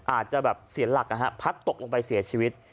อาจจะแบบเสียหลักนะฮะพัดตกลงไปเสียชีวิต